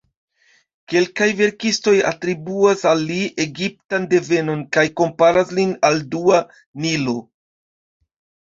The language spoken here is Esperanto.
Kelkaj verkistoj atribuas al li egiptan devenon, kaj komparas lin al dua Nilo.